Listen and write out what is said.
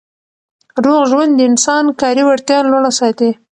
روغ ژوند د انسان کاري وړتیا لوړه ساتي.